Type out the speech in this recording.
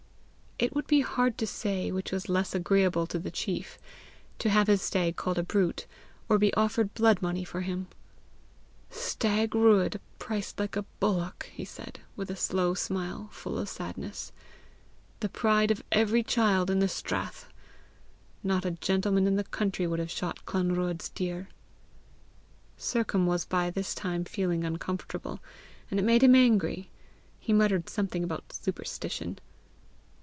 It would be hard to say which was less agreeable to the chief to have his stag called a brute, or be offered blood money for him. "Stag Ruadh priced like a bullock!" he said, with a slow smile, full of sadness; " the pride of every child in the strath! Not a gentleman in the county would have shot Clanruadh's deer!" Sercombe was by this time feeling uncomfortable, and it made him angry. He muttered something about superstition.